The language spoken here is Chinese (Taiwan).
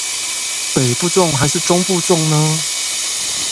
北部粽還是中部粽呢